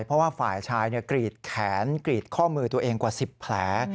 เพราะว่าฝ่ายชายกรีดแขนกรีดข้อมือตัวเองกว่า๑๐แผล